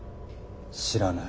知らない。